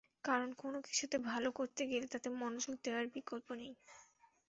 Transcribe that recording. কারণ, কোনো কিছুতে ভালো করতে গেলে তাতে মনোযোগ দেওয়ার বিকল্প নেই।